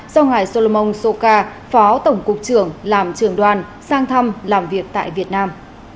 songhai solomon soka phó tổng cục trưởng làm trường đoàn sang thăm làm việc tại việt nam